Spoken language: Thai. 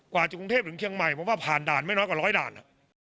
กว่าจะกรุงเทพถึงเชียงใหม่ผมว่าผ่านด่านไม่น้อยกว่าร้อยด่าน